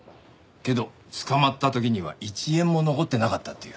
けど捕まった時には１円も残ってなかったっていう。